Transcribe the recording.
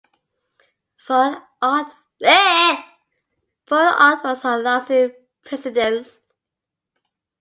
Foreign awards are last in precedence.